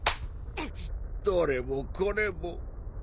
どれもこれも。